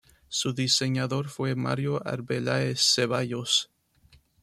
Su diseñador fue Mario Arbeláez Ceballos.